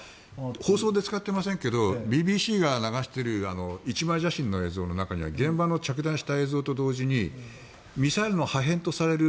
放送で使っていませんがＢＢＣが流している１枚写真の映像の中には現場の着弾した映像と同時にミサイルの破片とされる